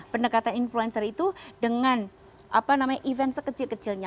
pendekatan influencer itu dengan event sekecil kecilnya